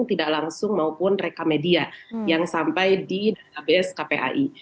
tidak langsung maupun rekamedia yang sampai di abs kpi